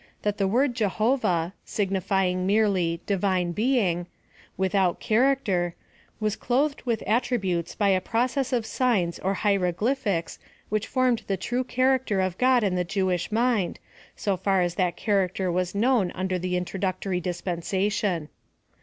that the word Jehovah, signify ing merely divine being — loithout character, was clothed with attributes by a process of signs or hieroglyphics woich formed the true character of God in the Jewish mind, so far as that character was known under the introductory dispensation.